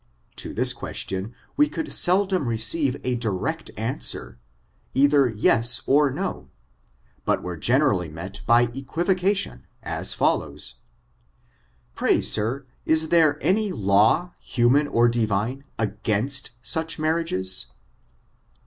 To this question, we could seldom receive a direct answer, either pes or no, but were generally met by equivocation, as follows: " Pray, sir, is there any law, human or divine, against such marriages